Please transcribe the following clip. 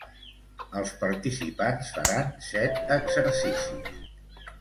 Els participants faran set exercicis.